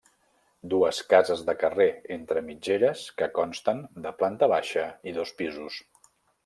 Dues cases de carrer entre mitgeres que consten de planta baixa i dos pisos.